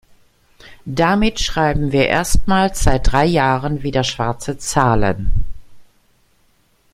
Damit schreiben wir erstmals seit drei Jahren wieder schwarze Zahlen.